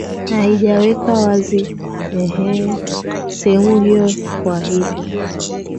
haijaweka wazi eeeh sehemu hiyo kwa hivyo